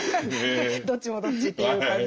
どっちもどっちっていう感じ。